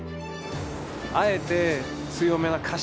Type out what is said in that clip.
あえて強めな歌詞。